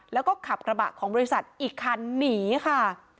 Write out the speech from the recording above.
แล้วก็ขับกระบะของบริษัทอีกคันหนีค่ะ